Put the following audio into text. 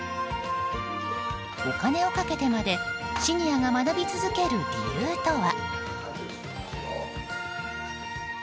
お金をかけてまでシニアが学び続ける理由とは。